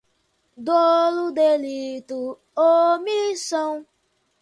dolo, delito, omissão